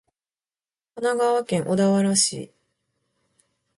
神奈川県小田原市